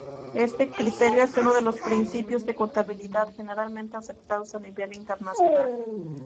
Este criterio es uno de los Principios de Contabilidad Generalmente Aceptados a nivel internacional.